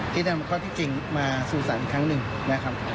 ที่นำข้อที่จริงมาสู่ศาลอีกครั้งหนึ่งนะครับ